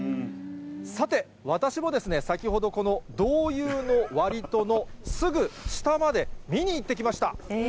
さて、私も先ほどこの道遊の割戸のすぐ下まで見に行ってきました。